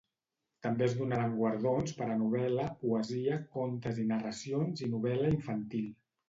També es donaran guardons per a novel·la, poesia, contes i narracions i novel·la infantil.